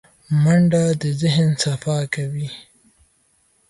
منډه د ذهن صفا کوي